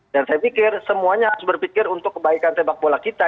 dan saya pikir semuanya harus berpikir untuk kebaikan sepak bola kita